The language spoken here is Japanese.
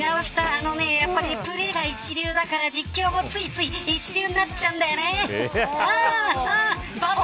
やっぱりプレーが一流だから実況もついつい一流になっちゃうんだよね。